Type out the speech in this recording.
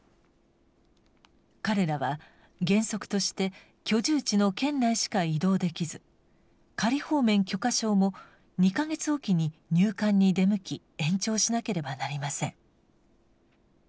彼らは原則として居住地の県内しか移動できず仮放免許可証も２か月置きに入管に出向き延長しなければなりません。